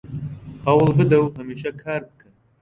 هەوڵ بدە و هەمیشە کار بکە